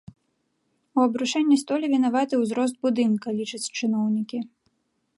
У абрушэнні столі вінаваты ўзрост будынка, лічаць чыноўнікі.